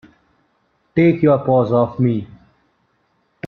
Take your paws off me!